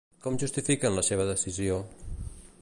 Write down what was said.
Com justifiquen la seva decisió?